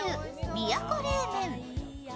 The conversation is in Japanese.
宮古冷麺